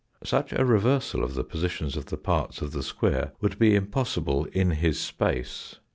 Such a reversal of the positions of the parts of the square would be impossible in his space.